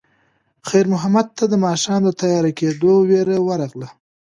خیر محمد ته د ماښام د تیاره کېدو وېره ورغله.